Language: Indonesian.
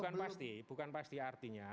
bukan pasti bukan pasti artinya